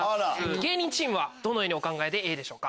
芸人チームはどのようにお考えでＡでしょうか？